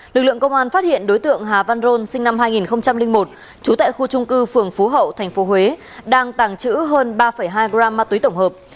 lực lượng công an phát hiện đối tượng hà văn rôn sinh năm hai nghìn một trú tại khu trung cư phường phú hậu tp huế đang tàng trữ hơn ba hai gram ma túy tổng hợp